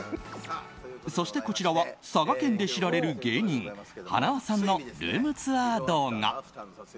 そして、こちらは佐賀県で知られる芸人はなわさんのルームツアー動画。